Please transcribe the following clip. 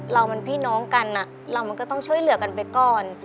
เรามันพี่น้องกันเรามันก็ต้องช่วยเหลือกันไปก่อน